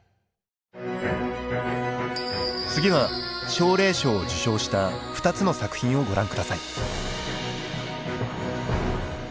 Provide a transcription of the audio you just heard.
次は奨励賞を受賞した２つの作品をご覧下さい。